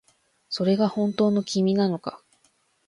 それが本当の君なのか